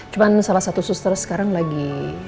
cuma salah satu suster sekarang lagi